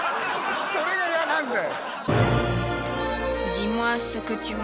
それが嫌なんだよ！